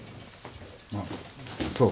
あっそう。